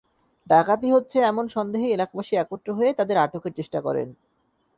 ডাকাতি হচ্ছে এমন সন্দেহে এলাকাবাসী একত্র হয়ে তাঁদের আটকের চেষ্টা করেন।